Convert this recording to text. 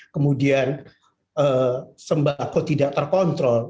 kemudian sembako tidak terkontrol